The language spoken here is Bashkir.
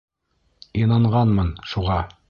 Инанғанмын шуға.